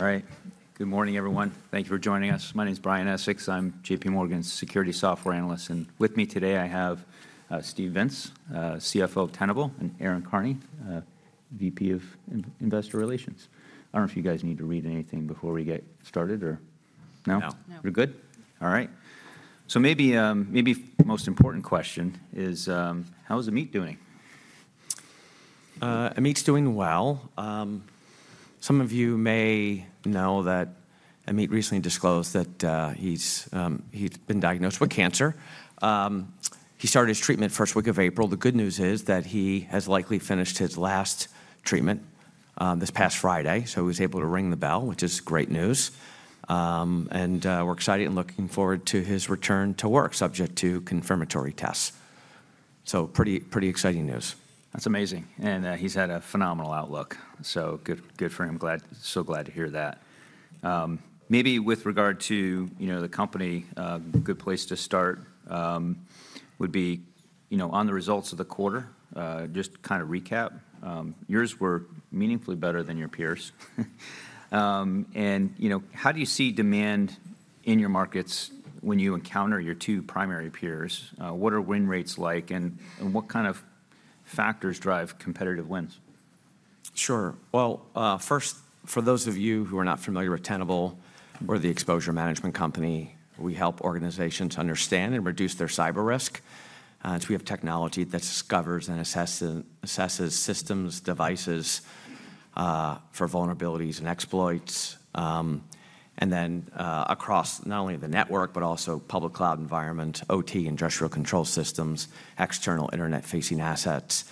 All right. Good morning, everyone. Thank you for joining us. My name is Brian Essex. I'm JPMorgan's security software analyst, and with me today, I have, Steve Vintz, CFO of Tenable, and Erin Karney, VP of Investor Relations. I don't know if you guys need to read anything before we get started or no? No. No. We're good? All right. So maybe, maybe the most important question is, how is Amit doing? Amit's doing well. Some of you may know that Amit recently disclosed that he's been diagnosed with cancer. He started his treatment first week of April. The good news is that he has likely finished his last treatment this past Friday, so he was able to ring the bell, which is great news. We're excited and looking forward to his return to work, subject to confirmatory tests. So pretty, pretty exciting news. That's amazing, and, he's had a phenomenal outlook, so good, good for him. Glad, so glad to hear that. Maybe with regard to, you know, the company, a good place to start, would be, you know, on the results of the quarter. Just to kind of recap, yours were meaningfully better than your peers. And, you know, how do you see demand in your markets when you encounter your two primary peers? What are win rates like, and what kind of factors drive competitive wins? Sure. Well, first, for those of you who are not familiar with Tenable, we're the exposure management company. We help organizations understand and reduce their cyber risk. So we have technology that discovers and assesses systems, devices, for vulnerabilities and exploits. And then, across not only the network but also public cloud environment, OT, industrial control systems, external internet-facing assets,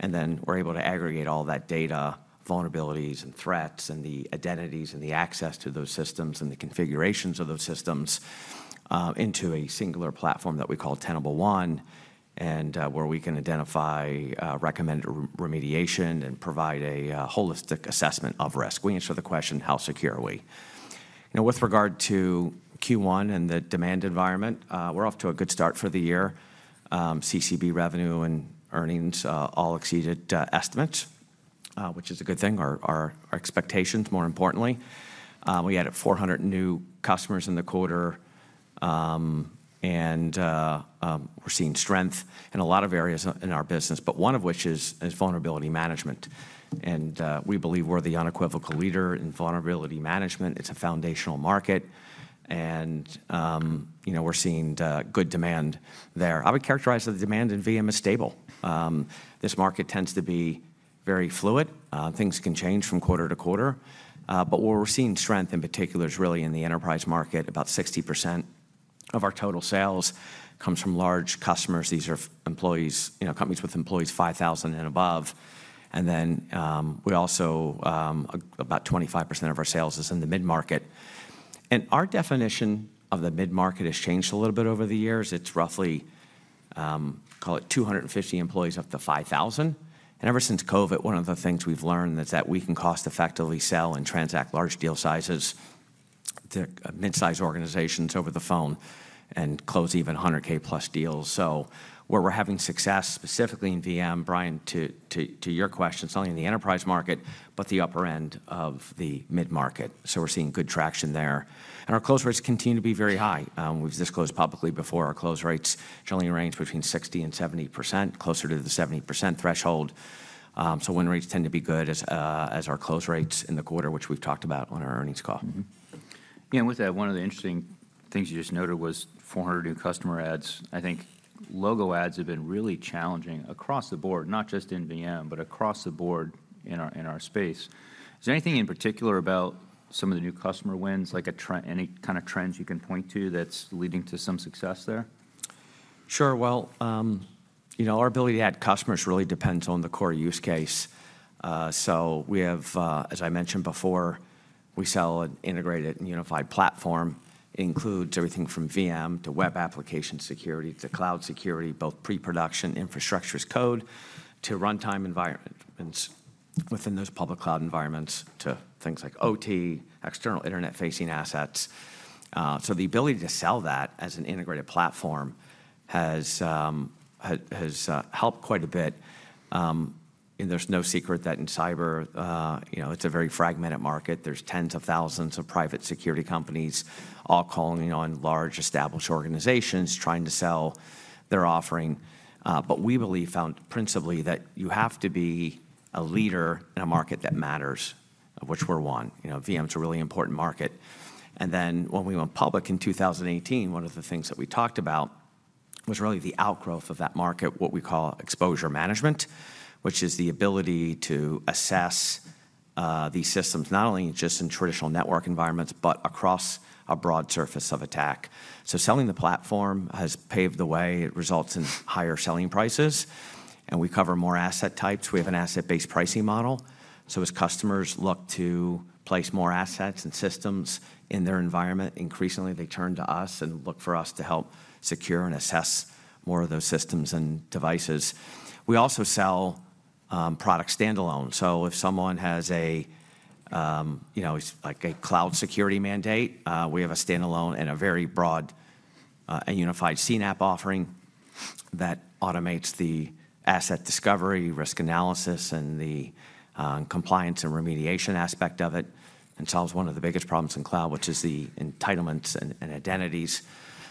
and then we're able to aggregate all that data, vulnerabilities, and threats, and the identities, and the access to those systems, and the configurations of those systems, into a singular platform that we call Tenable One, and where we can identify, recommend remediation, and provide a holistic assessment of risk. We answer the question: How secure are we? You know, with regard to Q1 and the demand environment, we're off to a good start for the year. CCB revenue and earnings all exceeded estimates, which is a good thing. Our expectations, more importantly. We added 400 new customers in the quarter, and we're seeing strength in a lot of areas in our business, but one of which is vulnerability management. We believe we're the unequivocal leader in vulnerability management. It's a foundational market, and you know, we're seeing good demand there. I would characterize the demand in VM as stable. This market tends to be very fluid. Things can change from quarter to quarter, but where we're seeing strength, in particular, is really in the enterprise market. About 60% of our total sales comes from large customers. These are, you know, companies with employees 5,000 and above. And then we also... About 25% of our sales is in the mid-market. Our definition of the mid-market has changed a little bit over the years. It's roughly, call it 250 employees up to 5,000. Ever since COVID, one of the things we've learned is that we can cost-effectively sell and transact large deal sizes to mid-size organizations over the phone and close even 100,000+ deals. Where we're having success, specifically in VM, Brian, to your question, it's not only in the enterprise market but the upper end of the mid-market, so we're seeing good traction there. Our close rates continue to be very high. We've disclosed publicly before, our close rates generally range between 60% and 70%, closer to the 70% threshold. So win rates tend to be good as, as our close rates in the quarter, which we've talked about on our earnings call. Mm-hmm. Yeah, and with that, one of the interesting things you just noted was 400 new customer adds. I think logo adds have been really challenging across the board, not just in VM, but across the board in our, in our space. Is there anything in particular about some of the new customer wins, like any kind of trends you can point to that's leading to some success there? Sure. Well, you know, our ability to add customers really depends on the core use case. So we have, as I mentioned before, we sell an integrated and unified platform. Includes everything from VM to web application security to cloud security, both pre-production infrastructure as code to runtime environment, and within those public cloud environments, to things like OT, external internet-facing assets. So the ability to sell that as an integrated platform has helped quite a bit. And there's no secret that in cyber, you know, it's a very fragmented market. There's tens of thousands of private security companies all calling on large, established organizations, trying to sell their offering. But we found, principally, that you have to be a leader in a market that matters, of which we're one. You know, VM's a really important market. And then when we went public in 2018, one of the things that we talked about was really the outgrowth of that market, what we call exposure management, which is the ability to assess these systems, not only just in traditional network environments, but across a broad surface of attack. So selling the platform has paved the way. It results in higher selling prices, and we cover more asset types. We have an asset-based pricing model, so as customers look to place more assets and systems in their environment, increasingly, they turn to us and look for us to help secure and assess more of those systems and devices. We also sell products standalone, so if someone has a, you know, like, a cloud security mandate, we have a standalone and a very broad and unified CNAPP offering-... that automates the asset discovery, risk analysis, and the compliance and remediation aspect of it, and solves one of the biggest problems in cloud, which is the entitlements and identities.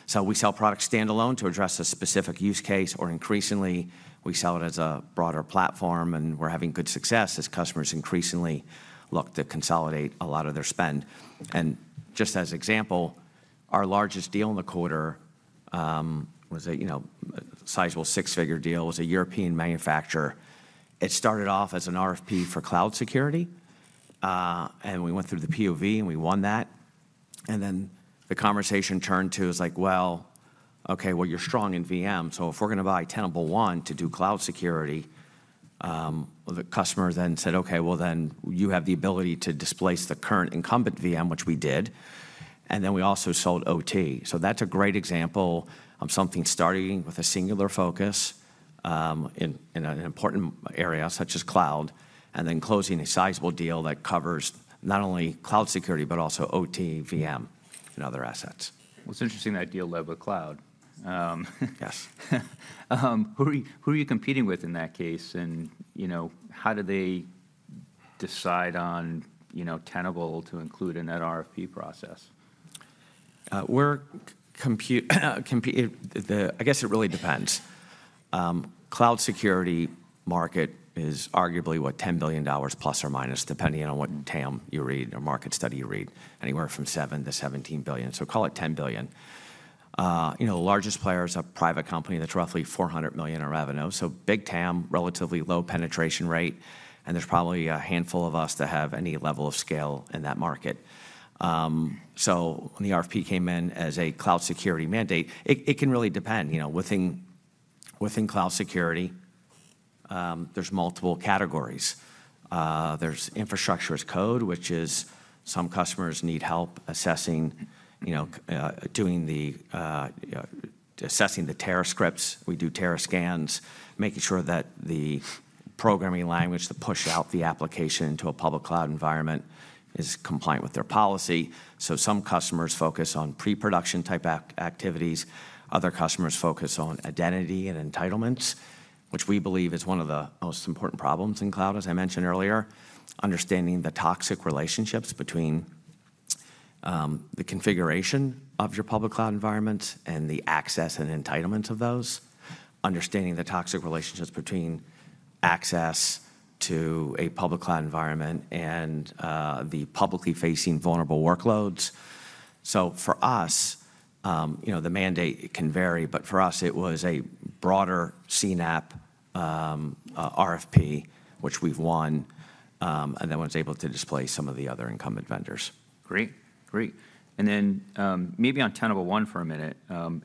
So we sell products standalone to address a specific use case, or increasingly, we sell it as a broader platform, and we're having good success as customers increasingly look to consolidate a lot of their spend. And just as example, our largest deal in the quarter was a, you know, a sizable six-figure deal. It was a European manufacturer. It started off as an RFP for cloud security, and we went through the POV, and we won that. And then the conversation turned to, it's like: Well, okay, well, you're strong in VM, so if we're gonna buy Tenable One to do cloud security... Well, the customer then said: "Okay, well, then you have the ability to displace the current incumbent VM," which we did, and then we also sold OT. So that's a great example of something starting with a singular focus, in an important area such as cloud, and then closing a sizable deal that covers not only cloud security, but also OT, VM, and other assets. Well, it's interesting that you led with cloud. Yes. Who are you, who are you competing with in that case? And, you know, how do they decide on, you know, Tenable to include in that RFP process? I guess it really depends. Cloud security market is arguably, what? $10 billion ±, depending on what TAM you read or market study you read. Anywhere from $7 billion-$17 billion, so call it $10 billion. You know, the largest player is a private company that's roughly $400 million in revenue, so big TAM, relatively low penetration rate, and there's probably a handful of us that have any level of scale in that market. So when the RFP came in as a cloud security mandate, it can really depend. You know, within cloud security, there's multiple categories. There's infrastructure as code, which is some customers need help assessing, you know, doing the assessing the Terraform scripts. We do Terrascan, making sure that the programming language to push out the application into a public cloud environment is compliant with their policy. So some customers focus on pre-production-type activities. Other customers focus on identity and entitlements, which we believe is one of the most important problems in cloud, as I mentioned earlier. Understanding the toxic relationships between the configuration of your public cloud environments and the access and entitlements of those, understanding the toxic relationships between access to a public cloud environment and the publicly facing vulnerable workloads. So for us, you know, the mandate, it can vary, but for us, it was a broader CNAPP RFP, which we've won and then was able to displace some of the other incumbent vendors. Great. Great. And then, maybe on Tenable One for a minute,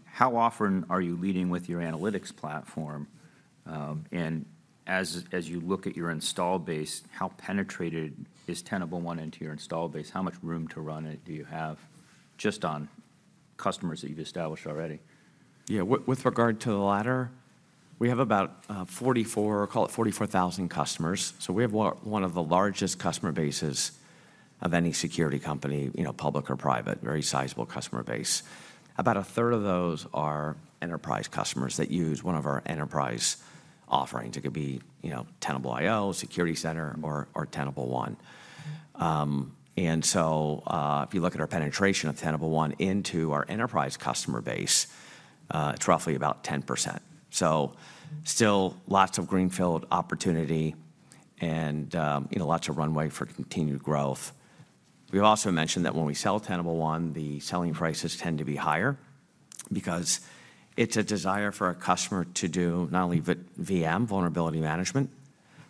how often are you leading with your analytics platform? And as you look at your install base, how penetrated is Tenable One into your install base? How much room to run it do you have, just on customers that you've established already? Yeah, with regard to the latter, we have about, call it 44,000 customers. So we have one of the largest customer bases of any security company, you know, public or private, very sizable customer base. About a third of those are enterprise customers that use one of our enterprise offerings. It could be, you know, Tenable.io, Tenable Security Center, or Tenable One. And so, if you look at our penetration of Tenable One into our enterprise customer base, it's roughly about 10%, so still lots of greenfield opportunity and, you know, lots of runway for continued growth. We've also mentioned that when we sell Tenable One, the selling prices tend to be higher because it's a desire for our customer to do not only VM, vulnerability management,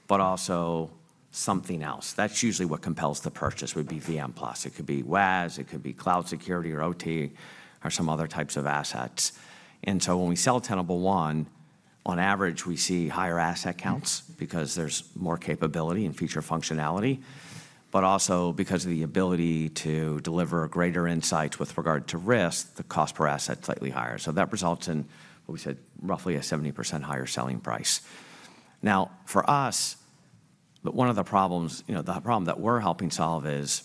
but also something else. That's usually what compels the purchase, would be VM plus. It could be WAS, it could be cloud security, or OT, or some other types of assets. And so when we sell Tenable One, on average, we see higher asset counts because there's more capability and feature functionality, but also because of the ability to deliver greater insights with regard to risk, the cost per asset is slightly higher. So that results in, what we said, roughly a 70% higher selling price. Now, for us, one of the problems... You know, the problem that we're helping solve is,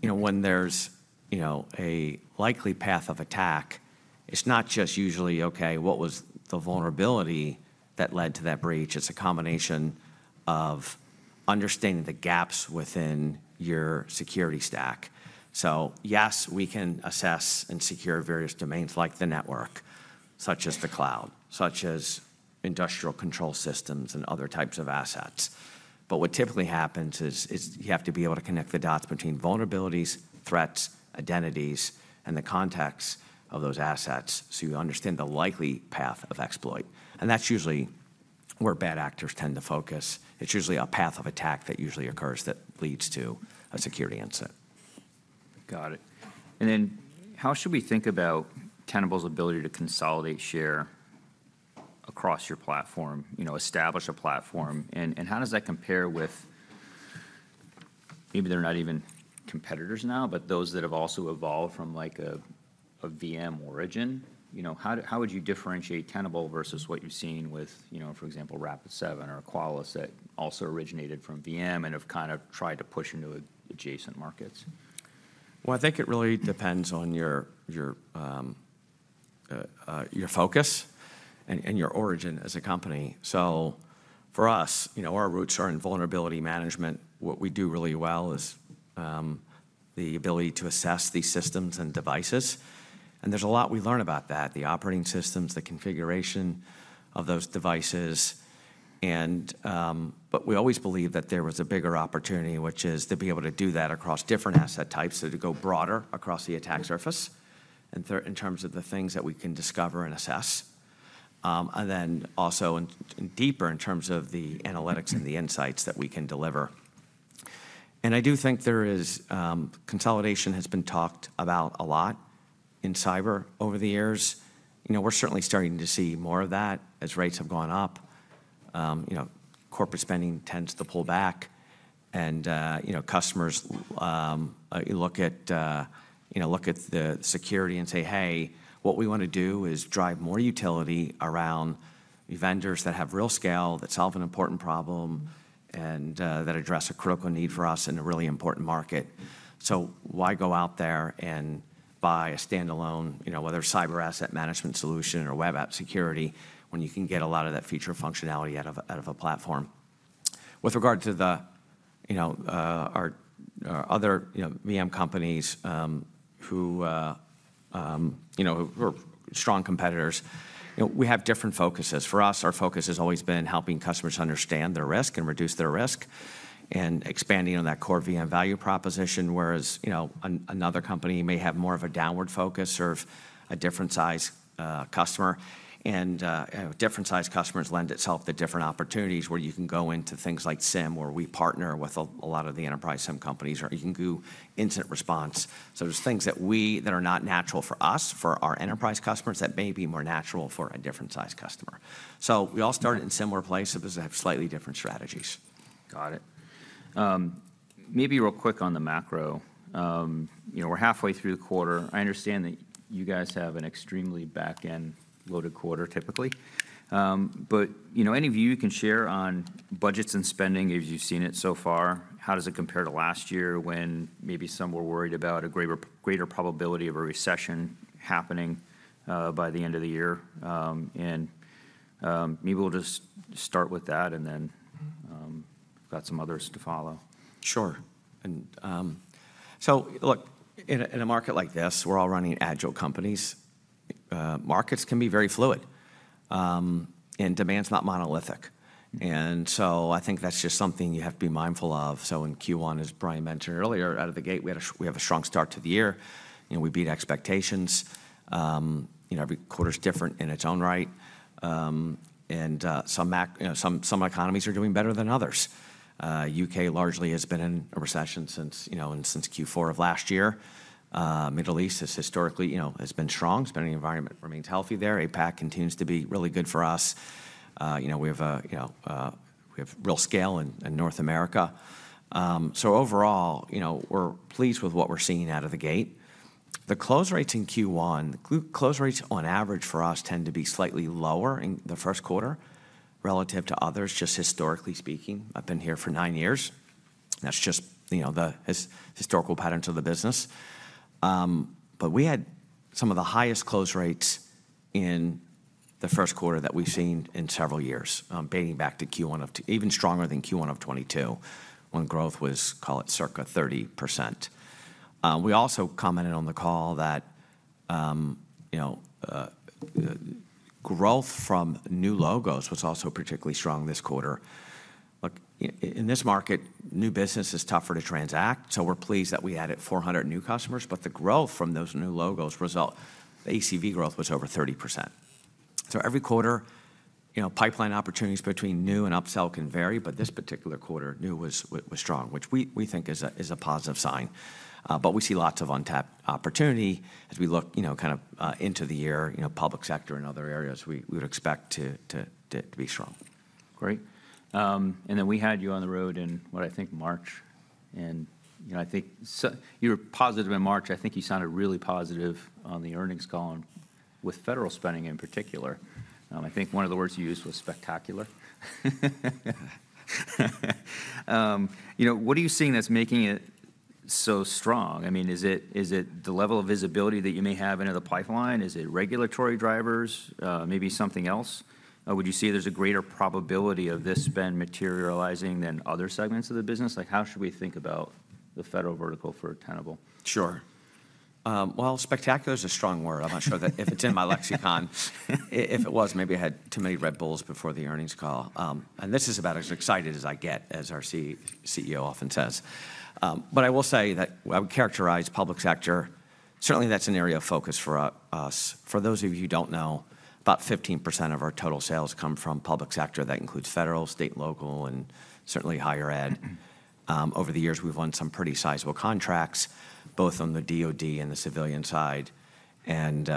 you know, when there's, you know, a likely path of attack, it's not just usually, "Okay, what was the vulnerability that led to that breach?" It's a combination of understanding the gaps within your security stack. So yes, we can assess and secure various domains like the network, such as the cloud, such as industrial control systems and other types of assets. But what typically happens is you have to be able to connect the dots between vulnerabilities, threats, identities, and the context of those assets, so you understand the likely path of exploit, and that's usually where bad actors tend to focus. It's usually a path of attack that usually occurs that leads to a security incident. Got it. And then how should we think about Tenable's ability to consolidate share across your platform, you know, establish a platform, and, and how does that compare with maybe they're not even competitors now, but those that have also evolved from, like, a VM origin? You know, how would you differentiate Tenable versus what you're seeing with, you know, for example, Rapid7 or Qualys, that also originated from VM and have kind of tried to push into adjacent markets?... Well, I think it really depends on your focus and your origin as a company. So for us, you know, our roots are in vulnerability management. What we do really well is the ability to assess these systems and devices, and there's a lot we learn about that: the operating systems, the configuration of those devices. But we always believed that there was a bigger opportunity, which is to be able to do that across different asset types, so to go broader across the attack surface, and in terms of the things that we can discover and assess. And then also, in deeper in terms of the analytics and the insights that we can deliver. And I do think there is... Consolidation has been talked about a lot in cyber over the years. You know, we're certainly starting to see more of that as rates have gone up. You know, corporate spending tends to pull back, and you know, customers look at the security and say, "Hey, what we wanna do is drive more utility around vendors that have real scale, that solve an important problem, and that address a critical need for us in a really important market." So why go out there and buy a standalone, you know, whether cyber asset management solution or web app security, when you can get a lot of that feature functionality out of a platform? With regard to our other, you know, VM companies, who are strong competitors, you know, we have different focuses. For us, our focus has always been helping customers understand their risk and reduce their risk and expanding on that core VM value proposition, whereas, you know, another company may have more of a downward focus, serve a different-size customer. And, you know, different-size customers lend itself to different opportunities, where you can go into things like SIEM, where we partner with a lot of the enterprise SIEM companies, or you can do incident response. So there's things that are not natural for us, for our enterprise customers, that may be more natural for a different-size customer. So we all started in a similar place, but we have slightly different strategies. Got it. Maybe real quick on the macro. You know, we're halfway through the quarter. I understand that you guys have an extremely back-end-loaded quarter, typically. But, you know, any view you can share on budgets and spending as you've seen it so far? How does it compare to last year, when maybe some were worried about a greater p- greater probability of a recession happening, by the end of the year? And, maybe we'll just start with that, and then, we've got some others to follow. Sure. So look, in a market like this, we're all running agile companies. Markets can be very fluid, and demand's not monolithic, and so I think that's just something you have to be mindful of. So in Q1, as Brian mentioned earlier, out of the gate, we have a strong start to the year, and we beat expectations. You know, every quarter's different in its own right. You know, some economies are doing better than others. U.K. largely has been in a recession since, you know, since Q4 of last year. Middle East has historically, you know, has been strong. Spending environment remains healthy there. APAC continues to be really good for us. You know, we have real scale in North America. So overall, you know, we're pleased with what we're seeing out of the gate. The close rates in Q1, close rates on average for us tend to be slightly lower in the first quarter relative to others, just historically speaking. I've been here for nine years. That's just, you know, the historical patterns of the business. But we had some of the highest close rates in the first quarter that we've seen in several years, dating back to Q1 even stronger than Q1 of 2022, when growth was, call it, circa 30%. We also commented on the call that, you know, growth from new logos was also particularly strong this quarter. Look, in this market, new business is tougher to transact, so we're pleased that we added 400 new customers. But the growth from those new logos results, the ACV growth was over 30%. So every quarter, you know, pipeline opportunities between new and upsell can vary, but this particular quarter, new was strong, which we think is a positive sign. But we see lots of untapped opportunity as we look, you know, kind of into the year, you know, public sector and other areas, we would expect to be strong. Great. And then we had you on the road in, what, I think March, and, you know, I think you were positive in March. I think you sounded really positive on the earnings call and with federal spending in particular. I think one of the words you used was spectacular. You know, what are you seeing that's making it so strong? I mean, is it, is it the level of visibility that you may have into the pipeline? Is it regulatory drivers? Maybe something else? Would you say there's a greater probability of this spend materializing than other segments of the business? Like, how should we think about the federal vertical for Tenable? Sure. Well, spectacular is a strong word. I'm not sure if it's in my lexicon. If it was, maybe I had too many Red Bulls before the earnings call. And this is about as excited as I get, as our CEO often says. But I will say that when I would characterize public sector, certainly that's an area of focus for us. For those of you who don't know, about 15% of our total sales come from public sector. That includes federal, state, and local, and certainly higher ed. Over the years, we've won some pretty sizable contracts, both on the DoD and the civilian side, and,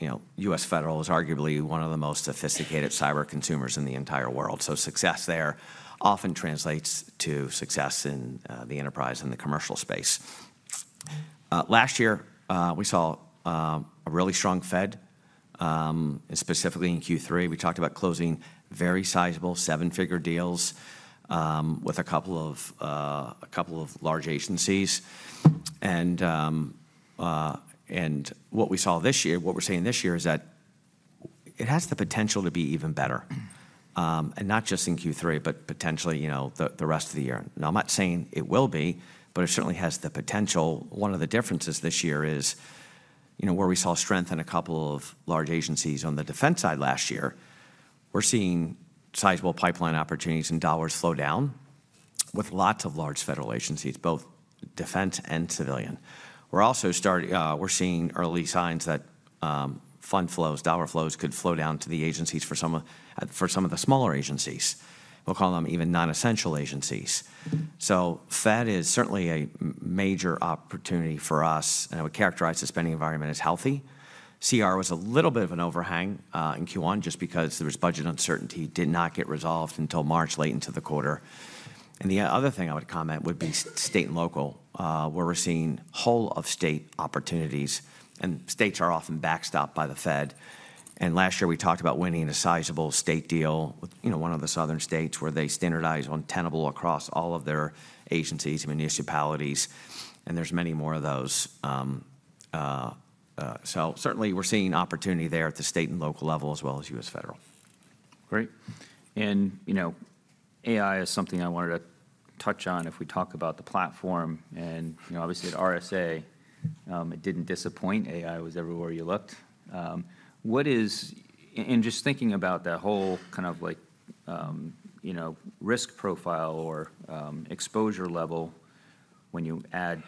you know, U.S. Federal is arguably one of the most sophisticated cyber consumers in the entire world, so success there often translates to success in the enterprise and the commercial space. Last year, we saw a really strong Fed. Specifically in Q3, we talked about closing very sizable seven-figure deals with a couple of large agencies. And what we saw this year, what we're seeing this year, is that it has the potential to be even better. Mm. And not just in Q3, but potentially, you know, the rest of the year. Now, I'm not saying it will be, but it certainly has the potential. One of the differences this year is, you know, where we saw strength in a couple of large agencies on the defense side last year, we're seeing sizable pipeline opportunities and dollars slow down with lots of large federal agencies, both defense and civilian. We're also seeing early signs that fund flows, dollar flows could flow down to the agencies for some of, for some of the smaller agencies. We'll call them even non-essential agencies. So that is certainly a major opportunity for us, and I would characterize the spending environment as healthy. CR was a little bit of an overhang in Q1, just because there was budget uncertainty, did not get resolved until March, late into the quarter. And the other thing I would comment would be state and local, where we're seeing whole of state opportunities, and states are often backstopped by the Fed. And last year, we talked about winning a sizable state deal with, you know, one of the southern states, where they standardized on Tenable across all of their agencies and municipalities, and there's many more of those. So certainly, we're seeing opportunity there at the state and local level, as well as U.S. federal. Great. And, you know, AI is something I wanted to touch on if we talk about the platform, and, you know, obviously, at RSA, it didn't disappoint. AI was everywhere you looked. And just thinking about that whole kind of like, you know, risk profile or, exposure level, when you add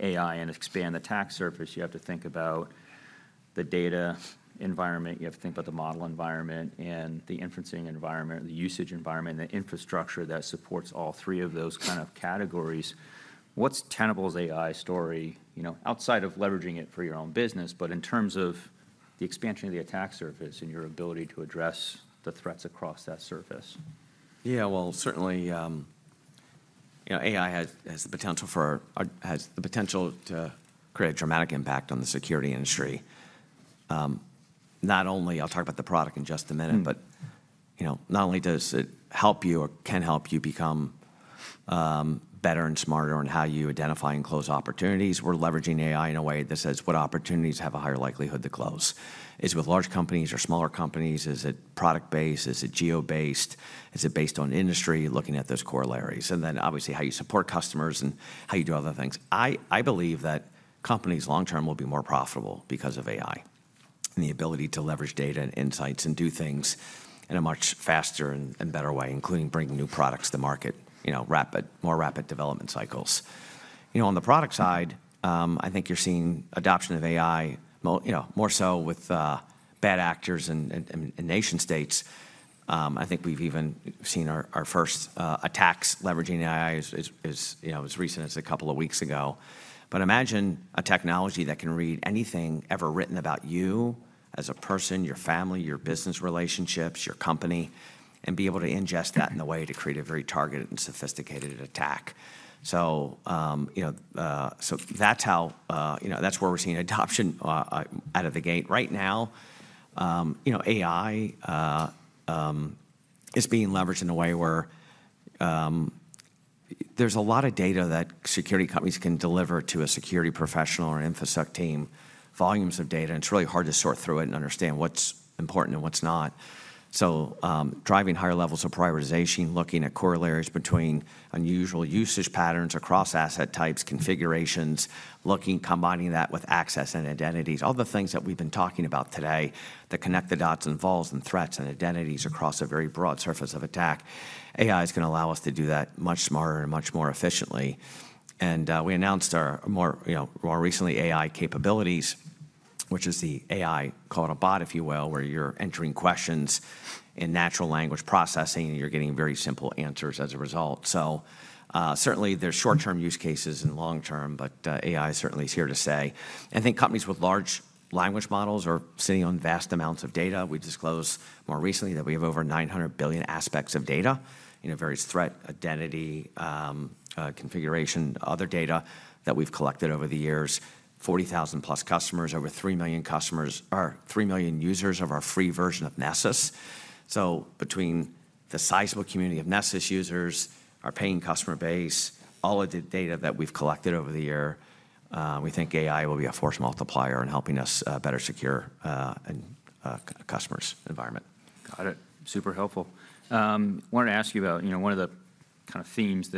AI and expand the attack surface, you have to think about the data environment, you have to think about the model environment and the inferencing environment, the usage environment, and the infrastructure that supports all three of those kind of categories. What's Tenable's AI story? You know, outside of leveraging it for your own business, but in terms of the expansion of the attack surface and your ability to address the threats across that surface. Yeah, well, certainly, you know, AI has the potential to create a dramatic impact on the security industry. Not only, I'll talk about the product in just a minute- Mm... but, you know, not only does it help you or can help you become better and smarter in how you identify and close opportunities, we're leveraging AI in a way that says, "What opportunities have a higher likelihood to close?" Is it with large companies or smaller companies? Is it product-based? Is it geo-based? Is it based on industry? Looking at those corollaries, and then obviously, how you support customers and how you do other things. I believe that companies long term will be more profitable because of AI and the ability to leverage data and insights and do things in a much faster and better way, including bringing new products to the market, you know, rapid, more rapid development cycles. You know, on the product side, I think you're seeing adoption of AI, you know, more so with bad actors and nation states. I think we've even seen our first attacks leveraging AI, you know, as recent as a couple of weeks ago. But imagine a technology that can read anything ever written about you as a person, your family, your business relationships, your company, and be able to ingest that in a way to create a very targeted and sophisticated attack. So, you know, that's where we're seeing adoption out of the gate. Right now, you know, AI is being leveraged in a way where there's a lot of data that security companies can deliver to a security professional or an InfoSec team, volumes of data, and it's really hard to sort through it and understand what's important and what's not. So, driving higher levels of prioritization, looking at corollaries between unusual usage patterns across asset types, configurations, combining that with access and identities, all the things that we've been talking about today that connect the dots and vulns and threats and identities across a very broad surface of attack, AI is gonna allow us to do that much smarter and much more efficiently. And we announced our more, you know, more recently, AI capabilities, which is the AI, call it a bot, if you will, where you're entering questions in natural language processing, and you're getting very simple answers as a result. So certainly, there's short-term use cases and long-term, but AI certainly is here to stay. I think companies with large language models are sitting on vast amounts of data. We disclosed more recently that we have over 900 billion aspects of data in various threat, identity, configuration, other data that we've collected over the years. 40,000-plus customers, over 3 million customers, or 3 million users of our free version of Nessus. So between the sizable community of Nessus users, our paying customer base, all of the data that we've collected over the year, we think AI will be a force multiplier in helping us better secure and customers' environment. Got it. Super helpful. Wanted to ask you about, you know, one of the kind of themes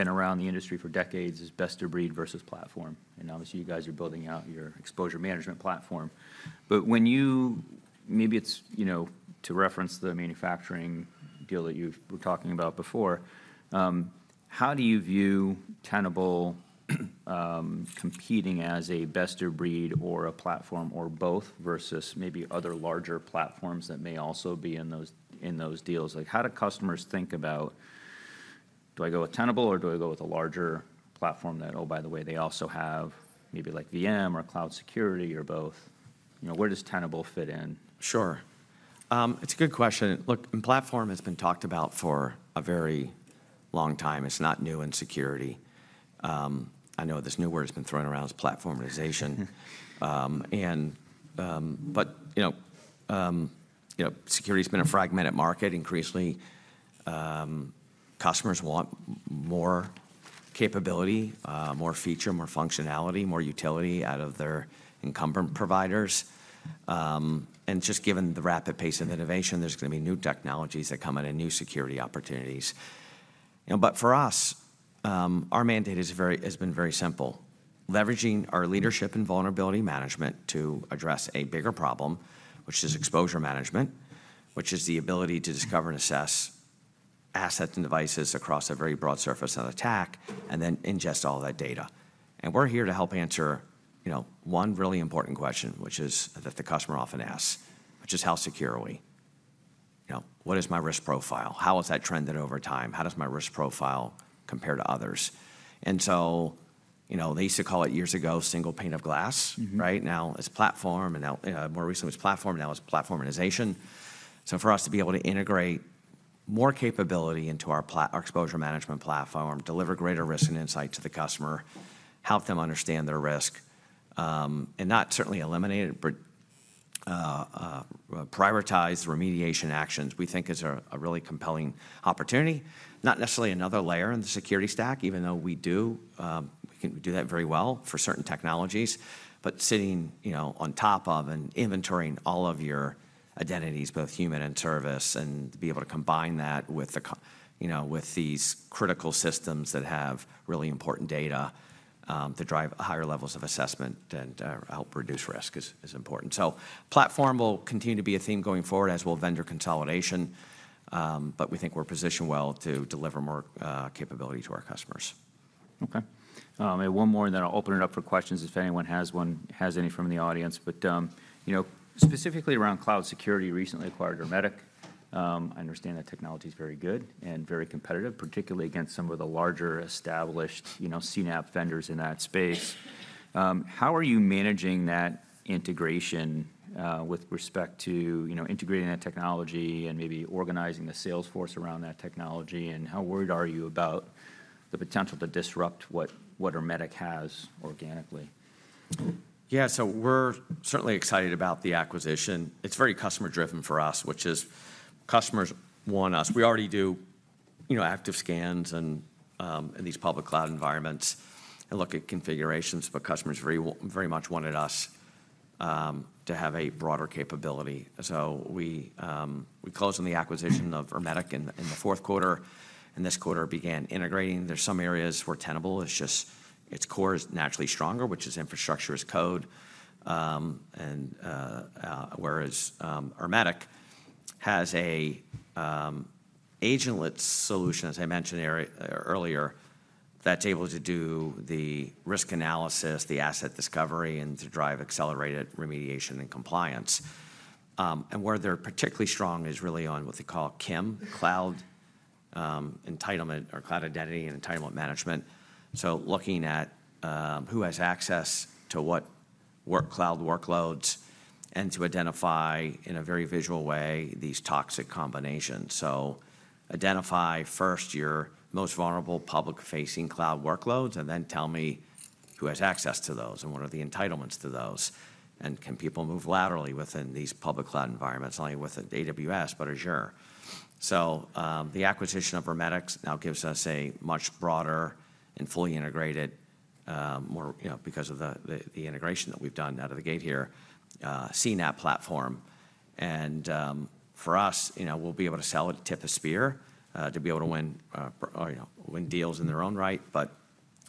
that's been around the industry for decades is best of breed versus platform, and obviously, you guys are building out your exposure management platform. But when you... Maybe it's, you know, to reference the manufacturing deal that you were talking about before, how do you view Tenable, competing as a best of breed or a platform or both, versus maybe other larger platforms that may also be in those, in those deals? Like, how do customers think about, "Do I go with Tenable, or do I go with a larger platform that, oh, by the way, they also have maybe like VM or cloud security or both?" You know, where does Tenable fit in? Sure. It's a good question. Look, platform has been talked about for a very long time. It's not new in security. I know this new word that's been thrown around is platformization. And, but, you know, you know, security's been a fragmented market. Increasingly, customers want more capability, more feature, more functionality, more utility out of their incumbent providers. And just given the rapid pace of innovation, there's gonna be new technologies that come in, and new security opportunities. You know, but for us, our mandate is very, has been very simple: leveraging our leadership in vulnerability management to address a bigger problem, which is exposure management, which is the ability to discover and assess assets and devices across a very broad surface of attack, and then ingest all that data. We're here to help answer, you know, one really important question, which is, that the customer often asks, which is: "How secure are we?" You know, "What is my risk profile? How has that trended over time? How does my risk profile compare to others?" And so, you know, they used to call it years ago, single pane of glass- Mm-hmm. Right? Now, it's platform, and now, more recently it's platform, now it's platformization. So for us to be able to integrate more capability into our exposure management platform, deliver greater risk and insight to the customer, help them understand their risk, and not certainly eliminate it, but prioritize remediation actions, we think is a really compelling opportunity. Not necessarily another layer in the security stack, even though we do, we can do that very well for certain technologies. But sitting, you know, on top of and inventorying all of your identities, both human and service, and to be able to combine that with you know, with these critical systems that have really important data, to drive higher levels of assessment and help reduce risk is important. Platform will continue to be a theme going forward, as will vendor consolidation. But we think we're positioned well to deliver more capability to our customers. Okay. I have one more, and then I'll open it up for questions if anyone has one, has any from the audience. But, you know, specifically around cloud security, you recently acquired Ermetic. I understand that technology's very good and very competitive, particularly against some of the larger, established, you know, CNAPP vendors in that space. How are you managing that integration, with respect to, you know, integrating that technology and maybe organizing the sales force around that technology? And how worried are you about the potential to disrupt what, what Ermetic has organically? Yeah, so we're certainly excited about the acquisition. It's very customer-driven for us, which is customers want us... We already do, you know, active scans and in these public cloud environments and look at configurations, but customers very much wanted us to have a broader capability. So we closed on the acquisition of Ermetic in the fourth quarter, and this quarter began integrating. There's some areas where Tenable is just its core is naturally stronger, which is infrastructure as code. And whereas Ermetic has an agentless solution, as I mentioned earlier, that's able to do the risk analysis, the asset discovery, and to drive accelerated remediation and compliance. And where they're particularly strong is really on what they call CIEM, cloud entitlement or cloud identity and entitlement management. So looking at who has access to what cloud workloads, and to identify, in a very visual way, these toxic combinations. So identify first your most vulnerable public-facing cloud workloads, and then tell me who has access to those, and what are the entitlements to those, and can people move laterally within these public cloud environments, not only with AWS, but Azure? So, the acquisition of Ermetic now gives us a much broader and fully integrated, more, you know, because of the integration that we've done out of the gate here, CNAPP platform. And, for us, you know, we'll be able to sell it tip of spear, to be able to win, or, you know, win deals in their own right. But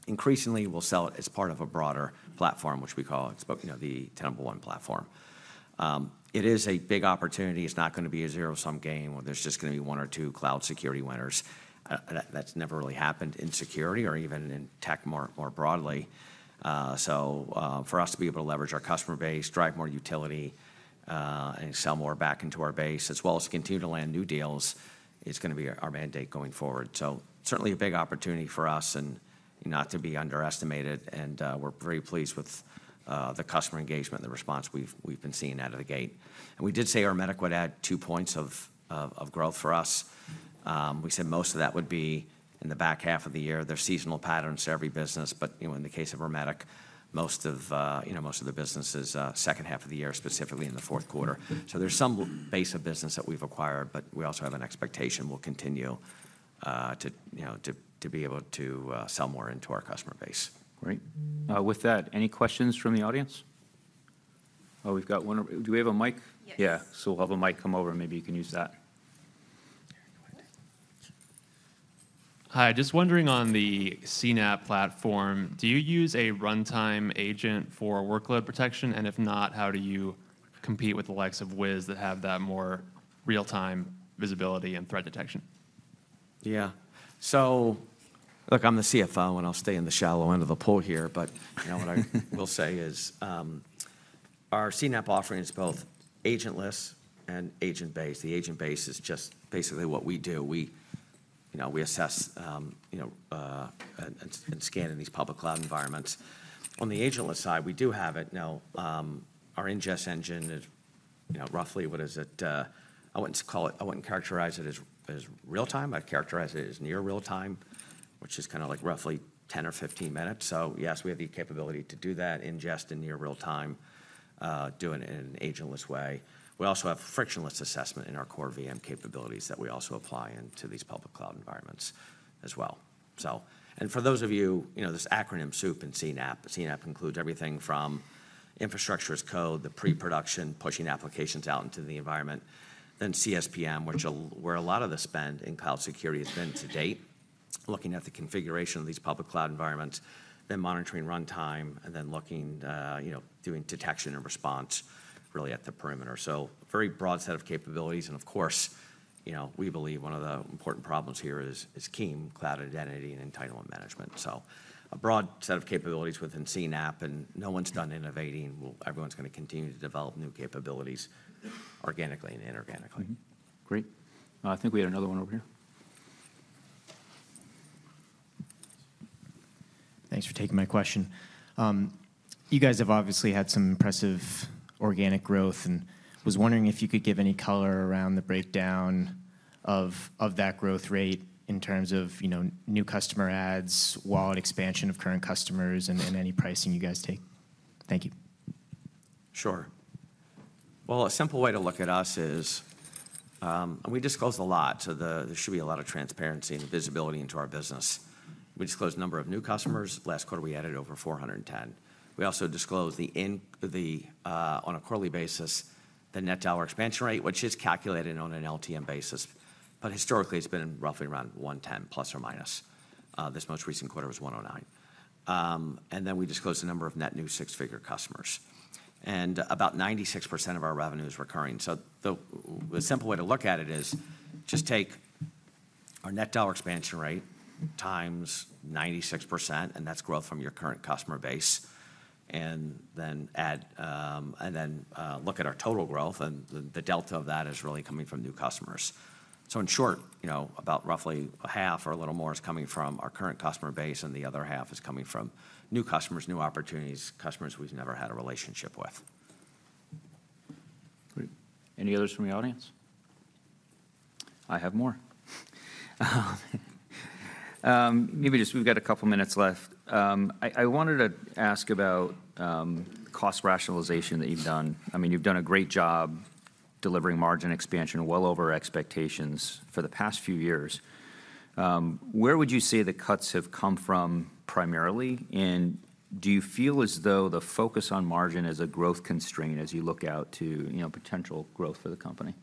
increasingly, we'll sell it as part of a broader platform, which we call you know, the Tenable One platform. It is a big opportunity. It's not gonna be a zero-sum game, where there's just gonna be one or two cloud security winners. That's never really happened in security or even in tech more broadly. So, for us to be able to leverage our customer base, drive more utility, and sell more back into our base, as well as continue to land new deals, is gonna be our mandate going forward. So certainly a big opportunity for us, and not to be underestimated, and, we're very pleased with the customer engagement and the response we've been seeing out of the gate. And we did say Ermetic would add two points of growth for us. We said most of that would be in the back half of the year. There's seasonal patterns to every business, but, you know, in the case of Ermetic, most of, you know, most of the business is, second half of the year, specifically in the fourth quarter. So there's some base of business that we've acquired, but we also have an expectation we'll continue to, you know, be able to sell more into our customer base. Great. With that, any questions from the audience? Oh, we've got one over... Do we have a mic? Yes. Yeah, so we'll have a mic come over, and maybe you can use that. Hi, just wondering on the CNAPP platform, do you use a runtime agent for workload protection? If not, how do you compete with the likes of Wiz that have that more real-time visibility and threat detection? Yeah. So look, I'm the CFO, and I'll stay in the shallow end of the pool here. But, you know, what I will say is, our CNAPP offering is both agentless and agent-based. The agent-based is just basically what we do. We, you know, we assess, you know, and scan in these public cloud environments. On the agentless side, we do have it. Now, our ingest engine is, you know, roughly, what is it? I wouldn't call it. I wouldn't characterize it as real-time. I'd characterize it as near real time, which is kinda like roughly 10 or 15 minutes. So yes, we have the capability to do that, ingest in near real time, do it in an agentless way. We also have frictionless assessment in our core VM capabilities that we also apply into these public cloud environments as well. So, and for those of you, you know, this acronym soup in CNAPP. CNAPP includes everything from infrastructure as code, the pre-production, pushing applications out into the environment. Then CSPM, which, where a lot of the spend in cloud security has been to date, looking at the configuration of these public cloud environments, then monitoring runtime, and then looking, you know, doing detection and response really at the perimeter. So, a very broad set of capabilities, and of course, you know, we believe one of the important problems here is, is CIEM, cloud identity and entitlement management. So, a broad set of capabilities within CNAPP, and no one's done innovating. Well, everyone's gonna continue to develop new capabilities organically and inorganically. Mm-hmm. Great. I think we had another one over here. Thanks for taking my question. You guys have obviously had some impressive organic growth, and was wondering if you could give any color around the breakdown of that growth rate in terms of, you know, new customer adds, wallet expansion of current customers, and any pricing you guys take. Thank you. Sure. Well, a simple way to look at us is, and we disclose a lot, so there should be a lot of transparency and visibility into our business. We disclose the number of new customers. Last quarter, we added over 410. We also disclose the, on a quarterly basis, the net dollar expansion rate, which is calculated on an LTM basis, but historically, it's been roughly around 110, plus or minus. This most recent quarter was 109. And then we disclose the number of net new six-figure customers, and about 96% of our revenue is recurring. So the simple way to look at it is just take our net dollar expansion rate times 96%, and that's growth from your current customer base, and then add... And then, look at our total growth, and the delta of that is really coming from new customers. So in short, you know, about roughly half or a little more is coming from our current customer base, and the other half is coming from new customers, new opportunities, customers we've never had a relationship with. Great. Any others from the audience? I have more. Maybe just we've got a couple minutes left. I wanted to ask about the cost rationalization that you've done. I mean, you've done a great job delivering margin expansion well over expectations for the past few years. Where would you say the cuts have come from primarily, and do you feel as though the focus on margin is a growth constraint as you look out to, you know, potential growth for the company?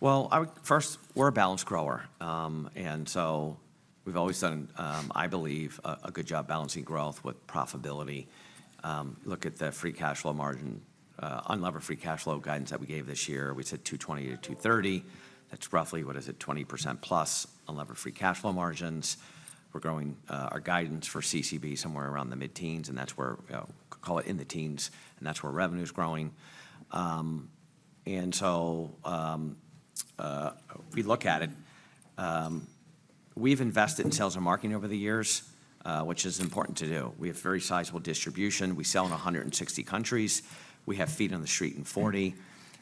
Well, I would. First, we're a balanced grower, and so we've always done, I believe, a good job balancing growth with profitability. Look at the free cash flow margin, unlevered free cash flow guidance that we gave this year. We said $220-$230. That's roughly, what is it? 20%+ unlevered free cash flow margins. We're growing our guidance for CCB somewhere around the mid-teens, and that's where, call it in the teens, and that's where revenue's growing. And so, if we look at it, we've invested in sales and marketing over the years, which is important to do. We have very sizable distribution. We sell in 160 countries. We have feet on the street in 40.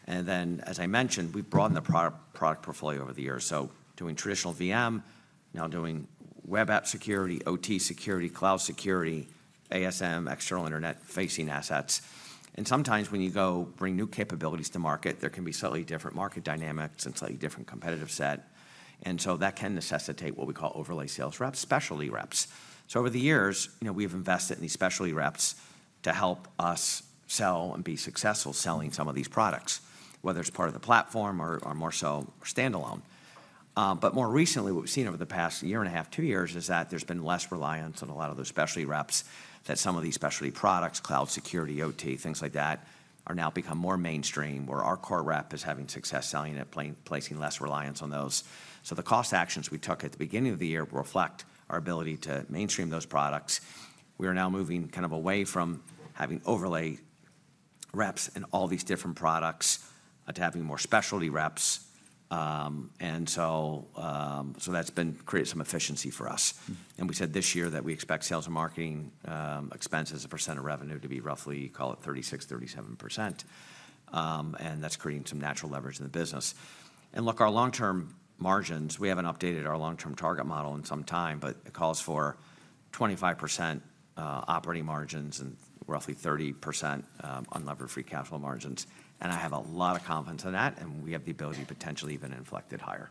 And then, as I mentioned, we've broadened the product portfolio over the years. So doing traditional VM, now doing web app security, OT security, cloud security, ASM, external internet-facing assets. And sometimes when you go bring new capabilities to market, there can be slightly different market dynamics and slightly different competitive set, and so that can necessitate what we call overlay sales reps, specialty reps. So over the years, you know, we've invested in these specialty reps to help us sell and be successful selling some of these products, whether it's part of the platform or, or more so standalone. But more recently, what we've seen over the past year and a half, two years, is that there's been less reliance on a lot of those specialty reps, that some of these specialty products, cloud security, OT, things like that, are now become more mainstream, where our core rep is having success selling and placing less reliance on those. So the cost actions we took at the beginning of the year reflect our ability to mainstream those products. We are now moving kind of away from having overlay reps in all these different products to having more specialty reps. And so that's been created some efficiency for us. Mm-hmm. We said this year that we expect sales and marketing expenses as a percent of revenue to be roughly, call it 36%-37%. That's creating some natural leverage in the business. Look, our long-term margins, we haven't updated our long-term target model in some time, but it calls for 25% operating margins and roughly 30% unlevered free cash flow margins, and I have a lot of confidence in that, and we have the ability to potentially even exceed it higher.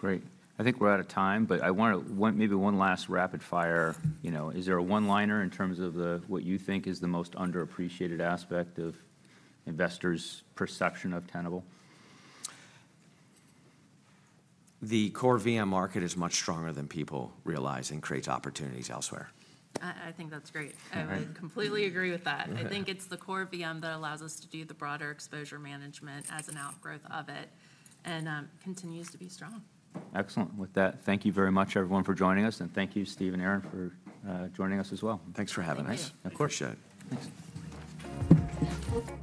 Great. I think we're out of time, but I want to, one, maybe one last rapid fire. You know, is there a one-liner in terms of the, what you think is the most underappreciated aspect of investors' perception of Tenable? The core VM market is much stronger than people realize and creates opportunities elsewhere. I think that's great. All right. I completely agree with that. Okay. I think it's the core VM that allows us to do the broader Exposure Management as an outgrowth of it, and continues to be strong. Excellent. With that, thank you very much, everyone, for joining us, and thank you, Steve and Erin, for joining us as well. Thanks for having us. Thank you. Of course. Thanks.